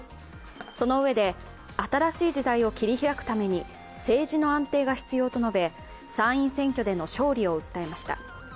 そのうえで、新しい時代を切り開くために政治の安定が必要と述べ参院選挙での勝利を訴えました。